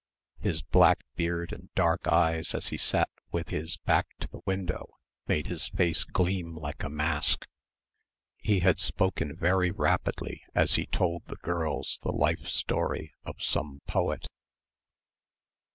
His black beard and dark eyes as he sat with his back to the window made his face gleam like a mask. He had spoken very rapidly as he told the girls the life story of some poet.